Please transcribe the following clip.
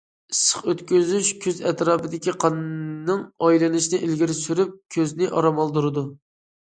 ئىسسىق ئۆتكۈزۈش كۆز ئەتراپىدىكى قاننىڭ ئايلىنىشىنى ئىلگىرى سۈرۈپ، كۆزنى ئارام ئالدۇرىدۇ.